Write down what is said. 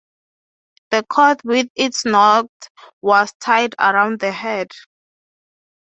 The cord with its knots was tied around the head.